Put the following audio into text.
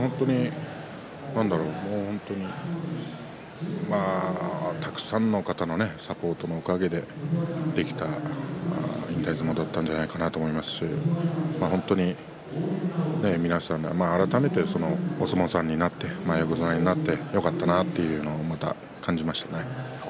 本当にたくさんの方のサポートのおかげでできた引退相撲だったんじゃないかなと思いますし改めてお相撲さんになって横綱になってよかったなというのを、また感じましたね。